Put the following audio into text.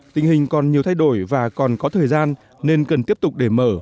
tình hình còn nhiều thay đổi và còn có thời gian nên cần tiếp tục để mở